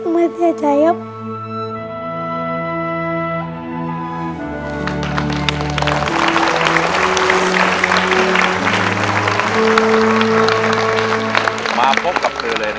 ไม่เสียใจครับ